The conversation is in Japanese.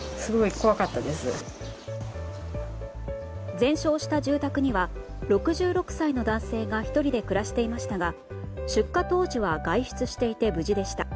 全焼した住宅には６６歳の男性が１人で暮らしていましたが出火当時は外出していて無事でした。